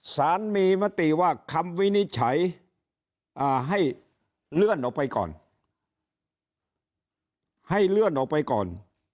สารมีมติว่าคำวินิจฉัยให้เลื่อนออกไปก่อน